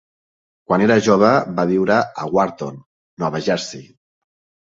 Quan era jove, va viure a Wharton, Nova Jersei.